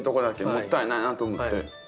もったいないなと思って。